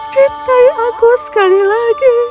cintai aku sekali lagi